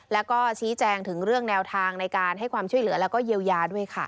แล้วก็ชี้แจงถึงเรื่องแนวทางในการให้ความช่วยเหลือแล้วก็เยียวยาด้วยค่ะ